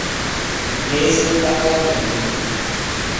Mesa do Parlamento.